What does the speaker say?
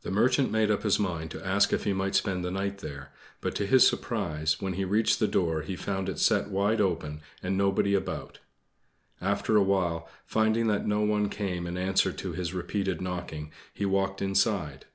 The Merchant made up his mind to ask if he might spend the night there; but to his surprise, when he reached the door he found it set wide open, and nobody about. After awhile, finding that no one came in answer to his repeated knocking, he walked inside.